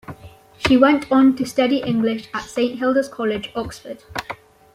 She went on to study English at Saint Hilda's College, Oxford.